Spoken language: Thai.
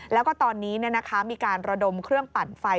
แล้วก็ตอนนี้มีการระดมเครื่องปั่นไฟ